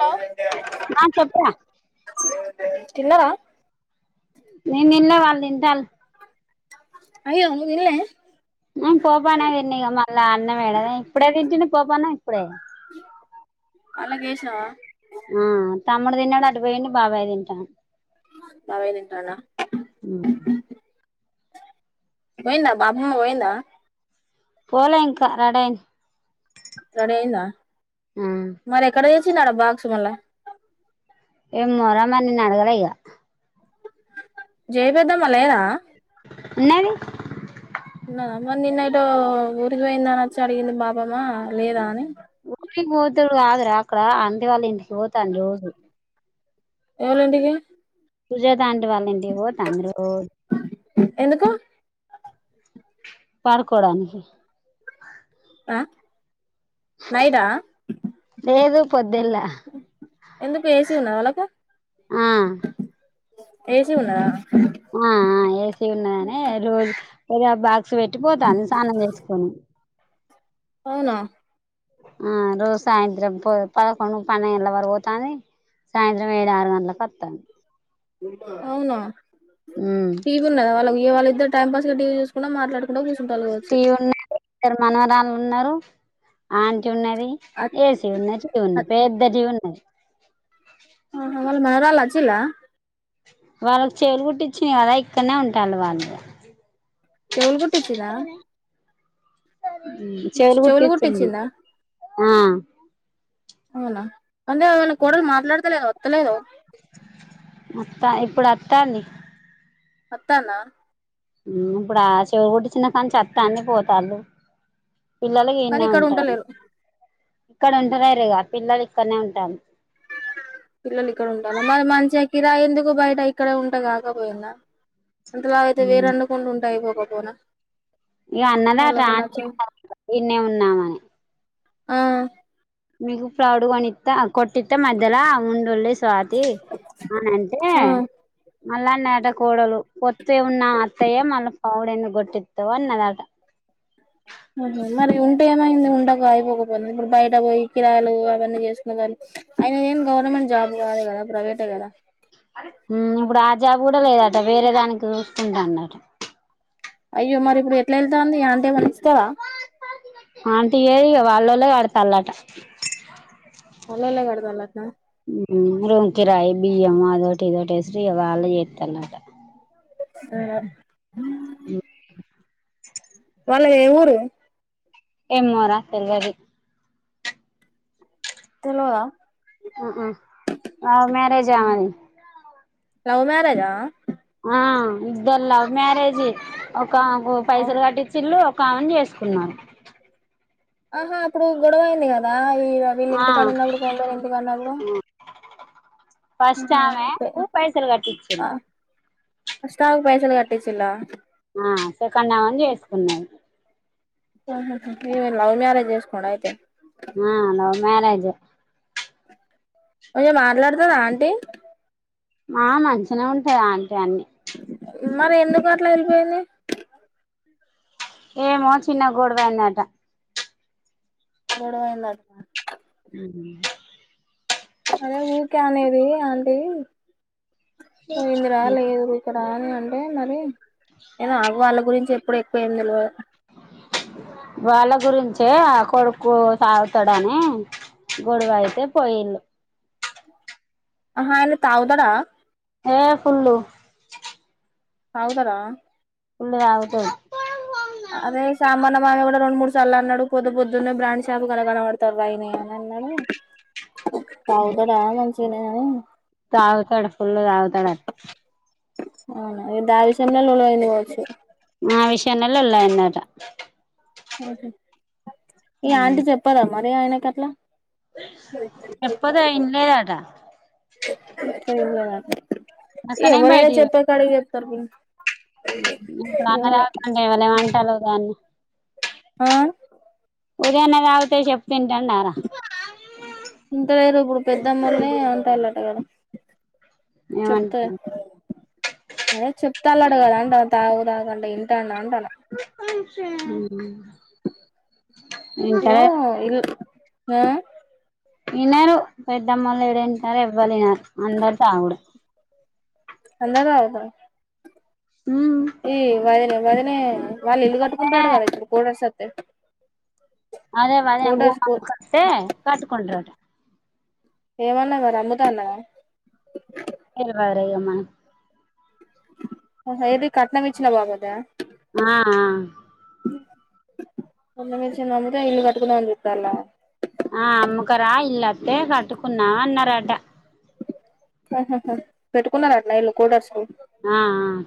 Hello ఆ చెప్పురా తిన్నర నేన్ తినలే వాళ్ళు తింటాల్ అయ్యో నువ్ తిన్లే ఆ పోపాన్నమ్ తిన్నిగ మళ్ళా అన్నమేడ ఇప్పుడే తింటినీ పోపన్నం ఇప్పుడే అల్లాకేసినవా ఆ తమ్ముడు తిన్నాడు అటు పోయిండు బాబాయ్ తింటాండు బాబాయ్ తింటాండా పోయిందా బాపమ్మ పోయిందా పోలే ఇంకా రడైంది మరి ఎక్కడ తెచ్చినవ్రా బాక్స్ మళ్ళా ఏమ్మోర మరి నేన్ అడగలే ఇగా జయపెద్దమ్మ లేదా ఉన్నది ఆ మరి నిన్నెటో ఊరికిపోయిందని వచ్చి అడిగింది బాపమ్మా లేదా అని ఊరి పోతడు కాదురా అక్కడ అంటి వాళ్ళ ఇంటికి పోతాండు రోజు ఎవలింటికి సుజాతాంటి వాళ్ళింటికి పోతాంది రో ఆ ఎందుకు పాలకూర అండి ఆ నైటా లేదు పోద్దిళ్ళ ఎందుకు ఏసీ ఉందా వాళ్ళకు ఆ ఏసి ఉన్నదా ఆ ఆ ఏసీ ఉన్నదనే రోజు ఇగ బ సొ పెట్టి పోతాంది స్నానం చేసుకొని అవునా ఆ రోజు సాయంత్రం పొ పదకొండు పన్నెండు గంటల వరకు పోతాంది సాయంత్రం ఏడు ఆరు గంటలకు అత్తాంది అవునా ఉమ్ టీవున్నదా వాళ్ళవీ ఇగ వాళ్ళిద్దరు టైంపాస్గా టీవీ చూకున్నా మాట్లాడు టీ ఉన్నది ఇద్దరు మనవరాళ్ళు ఉన్నరు అ ఉన్నది అ ఏసీ ఉన్న అ టీవున్న పెద్ద టీవున్నది ఆహా మీ నాన్నోళ్ళు వచ్చిల్లా వాళ్ళకి చెవులు కుట్టిచ్చిన కదా ఇక్కడనే ఉంటాన్లు వాళ్ళు చెవుల్ కుట్ కుట్టిచిర్రా చెవులు కుట్టిపిచ్చిన్లు కుట్టిచ్చిందా ఆ అవునా అదే వాళ్ళ కోడల్ మాట్లాడత్ ఒత్తలేదో ఒత్తలేదో అత్తా ఇప్పుడు ఒత్తాంది. ఒత్తాందా. ఊ ఇప్పుడా ఆ చెవులు కొట్టిచ్చిన కాంచీ ఒత్తాంది పోతాన్లు. పిల్లలు కానీ ఈడనే ఇక్కడ ఉంటాన్రు ఉంటలేరు ఇక్కడ ఉంటలేరు ఇగా పిల్లలు ఇక్కడనే ఉంటాన్రు. పిల్లలు ఇక్కడ ఉంటాన్లా మరి మంచిగ కిరాయి ఎందుకు బయట ఇక్కడే ఉంట కాకపోయిందా. అంతలావయితే ఉమ్ వేరొండుకొండుంటే అయిపోవ్ పో పోనా ఇగ అన్నదే అటు ఆంటీ [inaudible] ఈడనే ఉందామని. ఆ మీకు ప్రౌడ్ కొన్నిత్తా కొట్టిత్తే మధ్యలా ఉండుల్లి స్వాతి అని అంటే ఆ మళ్ళా నేట కోడలు పొత్తు ఏ ఉన్నాం అత్తయ్య మల్ల పౌడెందుకు కొట్టితవ్ అన్నదట. మరి ఉంటే ఏమైంది ఉండక అయిపోకపోయింది ఇప్పుడు బయట పోయి కిరాయలు అవన్నీ చేసుకొన దానికి. ఆయన దేం గవర్నమెంట్ జాబ్ గాదు కదా. ప్రవేటే కదా. ఉమ్ ఇప్పుడు ఆ జాబ్ కూడా లేదట వేరే దానికి చూస్కుంటాండట. అయ్యో మరి ఇప్పుడు ఎట్ల ఏళ్తాంది ఆంటీ ఏమన్నిస్తదా. ఆంటీ ఇయ్యదిగా వాల్లోలే కడతాన్లట. వాలోల్లే గడుతానలట్నా. హ్మ రూమ్ కిరాయి బియ్యం అదోటి ఇదోటి ఏస్ ఇగ వాళ్లే చేతాన్లట సరే వాళ్ళ ఏ ఊరు ఏమ్మొర తెల్వదు తెల్వదా ఉ ఉ లవ్ మ్యారేజ్ ఆమెది లవ్ మ్యారేజా ఆ ఇద్దర్ లవ్ మ్యారేజి కమ్కు అవును పైసలు కట్టిచిన్లూ కౌంట్ చేసుకున్నాను ఆహా అప్పుడు గొడవయింది కదా వీళ్ల వీళ్ళు ఆ ఇంటికాడ ఉన్నప్పుడు కోమటోళ్ళు ఇంటి [inaudible] ఫస్ట్ ఆమె కు పైసలు కట్టిచిల్లు ష్టామ పైసలు కటిచ్చలా ఆ సెకండమెని చేసుకున్నా ఆహా ఇమెని లైవ్ మ్యారజ్ చేస్కోండ అయితే ఆ లవ్ మ్యారేజ్ ముంచ మాట్లాడతాద ఆంటీ మా మంచిగా ఉంటాది అంటే అన్ని మరి ఎందుకు అట్లా వెళ్ళిపోయింది ఏమో చిన్న గడవందట గోడువైంద మ్ హు అరే ఊరికే అనేది ఆంటీ పోయింద్ర లేదురా ఇక్కడ అనీ ఆ అంటే మరి ఏను ఆ వాళ్ళ గురించి ఎప్పుడు ఎక్కువేం తెలువదు వాళ్ళ గురించే కొడుకు తాగుతాడని గొడవ అయితే పొయిళ్ళు అహ ఐన తాగుతడా ఏ ఫుల్లుు తగుతడా ఫూల్లు తాగుతాడు అదే సాంమాన్న మామె కూడా రెండు మూడు సార్లు అన్నాడు పొద్దు పొద్దున్నే బ్రాండ్ షాపు కన కనబడతారుయని అని అన్నాడు తాగుతాడ మంచినే తాగుతడ ఫుల్ తగుతడ అవునా ఇ దావిసమంలో లోల అయింది పోవచ్చు ఆ విషయలోలో లొల్లి అయిందట ఓహ ఈ ఆంటీ చెప్పాల మరి ఆయనక ఎట్లా ఎప్పుదా ఇలేదాటా ఎవరైనా చెప్పాక్కడి చె తర్ ఇప్పున్న రావకుంటే ఎవర ఏమ అంటలో దాన్ని ఆ ఉదేనే కావతే చెప్ప పింటండార పెద్దమ్మరిని ఉంటాయిలట కదా చెప్తే ఏమనుకు అదే చెప్తలట కదా అంటంది తాగు తాగంటే ఇంటండా అని చలా సే ఏవో ఇ ఆ ఇనారు పెద్దమ్మొల్లూ ఎడ ఇంటరూ ఎవ్వలూ ఇనరూ అందరు తాగుడే అందర తాగిళ్ల ఉ ఈ వదినే వదినే వాళ్ళ ఇల్లు అదే కట్టుకుంటారటకదా ఇప్పుడు కోడ్ఓస్ట్ అదేఅదే ఊ కోటర్స్ కత్తే కట్టుకుంటరటా ఏమన్నా మరి అమ్ముతా అన్నదా ఎవరే అమ్మ హ ఏది కట్నం ఇచ్చిన బాపత్దా ఆ [unintelligible] అమ్ముతే ఇల్లు కట్టుకుందాం అనిచుతాల్లా ఆ అమ్మకరా ఇళ్లుఅట్లే కట్టుకుందాం అన్నరట ఆహ పెట్టుకున్నారటన కోటర్స్కూ ఆ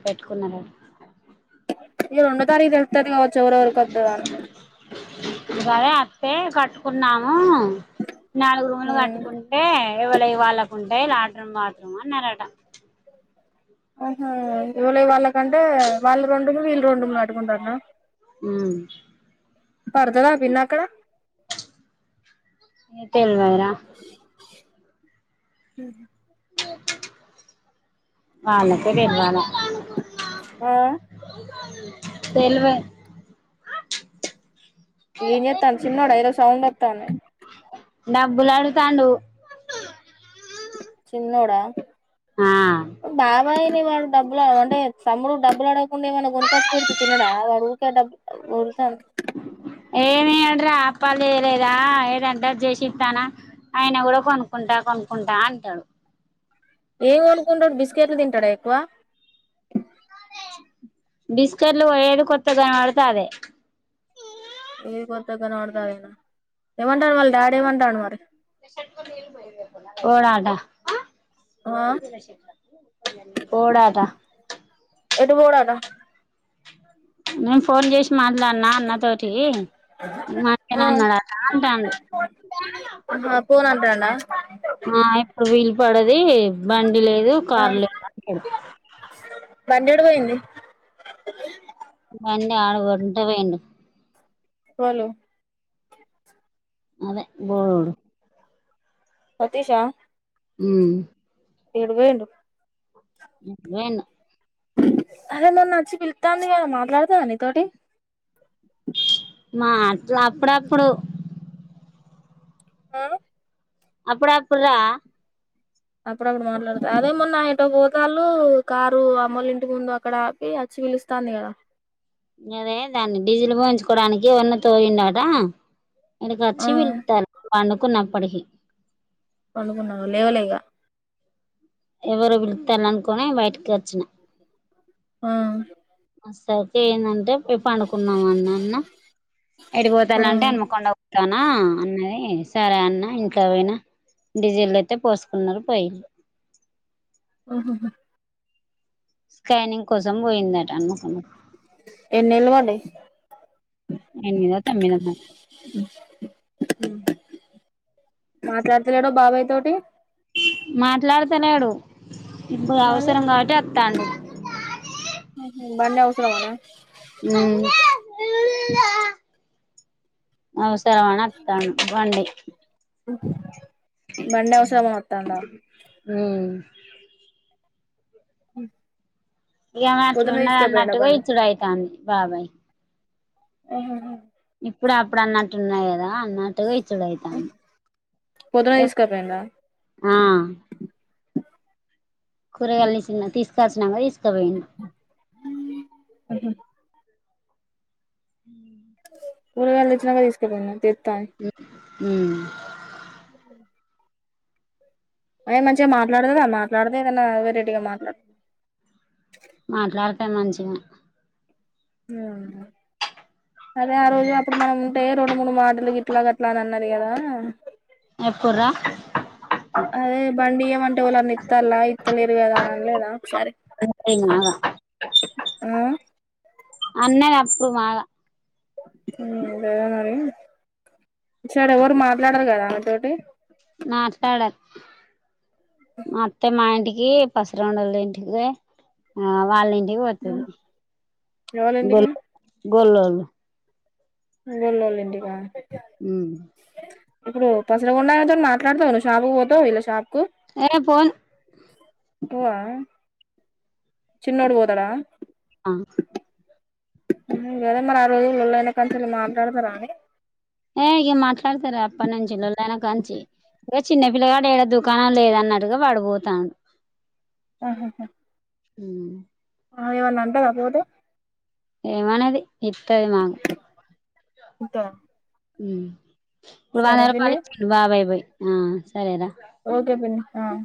పెట్టుకున్నారట ఇగ రెండో తారీఖు తే లుతదీ కావచ్చు ఎవలెవలకు అత్తదోని గదే అత్తే కట్టుకుందాము ఆ నాలుగు రూములు ఉమ్ కట్టుకుంటే ఎవలయి వాళ్ళకుంటయి లాట్రూమ్ బత్రూమ్ అని అన్నారట ఆహా ఎవలయి వాళ్లకు అంటే వాళ్ళ రెండు వీళ్ళు రెండు కట్టుకుంటాల్లా ఉమ్ పడతదా పిల్ల అక్కడ ఏ తెలవదు రా ఉహు ఓ వాళ్ళకే తేల్వలే ఆ తేల్వే ఏం జెత్తలూ చిన్నోడ ఏదో సౌండ్ అత్తంది డబ్బులడుగుతాండు చిన్నోడా ఆ ఊ బా బ్బాయిని వాడు డబ్బులు వ అంటే తమ్ముడు డబ్బులు అడగకుండా ఏమనా కొనక్కచ్చి పెడితే తినడా వాడు ఊకే డబ్బు ఊ తనుక్ ఏమీయ్యడు రా అప్పాలు చెయ్యలేదా ఏదంటది చేసిస్తానా ఆయినా కూడా కొనుక్కుంటా కొనుక్కుంటా అంటాడు ఏం కొనుక్కుంటాడు బిస్కెట్లు తింటాడా ఎక్కువ బిస్కెట్లు ఏది కొత్తగా కనపడుతుదే అదే ఏది కొత్తగా కనపడితే అదేనా ఏమంటాడు వాళ్ళ డాడ్ ఏమంటాడు మరి ఏ షెట్టుకు నీళ్ళు బొయ్ వే పోడాట ఆ పోడాట ఎటు పోడట నేను ఫోన్ చేష్ మాట్లాడినా అన్న తోటి ఆ [inaudible] అన్నాడట అంటాండు పోను అంటాండా ఆ ఇప్పుడు వీలు పడది బండి లేదు ఆ కార్ లేదు [inaudible] బండి ఏడు పోయింది బండి ఆడ వొంట పోయిండు వాలు అదే బొడుడు సతీషా హుమ్ ఏడ పోయిండు వేణు అదే మొన్న అచ్చి పిలుతాంది కదా మాట్లాడతాంద నీ తోటి ఆ అట్లా అప్పుడప్పుడు ఆ అప్పుడప్పుడురా అప్పుడప్పుడు మాట్లాడుత అదేమొన్న ఎటో పోతాళ్ళు కారు అమ్మోల ఇంటి ముందు అక్కడ ఆపి వచ్చి పిలుస్తాంది కదా అదే దాన్ని డీజిల్ పోయించుకోవడానికి ఎవన్న తోగిండట ఈడికి ఆ వచ్చి పిలుత్తారు పండుకున్నప్పటికీ పండుకున్నావ లేవలిగా ఎవరో పిలుతాండు అనుకొని బయటికి వచ్చిన ఆ సౌకే ఎందంటే పోయి పండుకున్నాం అన్ అన్న ఆ ఎడికిపోతాలంటే అనమకొండా పోతానా అన్నది సరే అన్న ఇంట్లో పోయినా డిజిల్ అయితే పోసుకున్నారు పోయిల్లు ఆహహ స్కానింగ్ కోసం పోయిందట అన్న [inaudible] ఏన్నేళ్ళు పడ్డయి ఎనిమిదో తొమ్మిదో మరి మాట్లాడతలేడో బాబాయ్ తోటి మాట్లాడుతలేడు ఇప్పుడు మరి అవసరం కావట్టి అత్తాండు బండి అవసరమానా ఊ అస్ తరవనత్తాను బండి ఆ బండి అవసర మొత్తాందా హ్మ్ హు ఈమె అట్లున్నది అన్నట్టుగా ఇచ్చుడు అయితాంది బాబాయ్ ఆహ ఇప్పుడు అప్పుడు అన్నట్ ట్టున్నాయి కదా నాతో ఇచ్చుడయితాంది పొద్దున తీసుకపోయిండా ఆ కూరగాయలు తీసిండా తీస్ సరసన వైస్ తవైన్ పఊరుగాళ్లు ఇన్న కది తీసుకపో ఆ అ అ అ మంచిగా మాట్లాడదుదా మాట్లాడితే ఏదైనా వేరెడ్గా మాట్లాడతు పెమంచిగా హ అదే ఆ రోజు అప్పుడు మనం ఉంటే రెండు మూడు మాటలు గ ఇట్లా గ అట్లా అని అన్నారుది కదా అ ఎప్పురా అదే బండి ఈయామంటే ఉలన్న ఇత్తలా ఇత్తలేదు కదా అని అన్లేదా సరే మాగా ఆహ్ అన్నది అప్పుడు బాగా ఆహ్ మరి సరే ఎవరు మాట్లాడారు కదా అమెతోటి మాట్లాడ మత్తే మాయింటికి ఎహ్ పసురండళ ఇంటికి ఆహ్ వాళ్ళ ఇం ఇ అతుది ఎవళ ఇంటికి గొల్లొలు గొల్లొల ఇంటిక హమ్ ఇప్పుడు పసలగుండామెతోనీ మాట్లాడతావ నువు షాపుకి పోతవ వీళ్ళ షాప్కు ఏ పోన్ పోవా చిన్నోడు పోతడా ఆహ్ హమ్ లేదా మరి ఆ రోజులొల్లయిన కాని నుంచి మాట్లాడతారానే ఎహ్ ఇగా మాట్లాడతలె అప్పటినుంచి లొల్లి అయినా కాంచి ఇంక చిన్న పిల్లగాడు ఏడ దుకాణం లేదనట్టుగ వాడుపోతాండు ఆహ్ ఆహ్ ఆహ్ హమ్ ఆహ్ ఏమన్నా అంటదా పోతే ఏమనది ఇత్తది మాకు ఇత హమ్ ఇప్పుడు వందరూపాయలు ఇచ్చిండు బాబాయ్ పోయి ఆహ్ ఓకే పిన్ని ఆహ్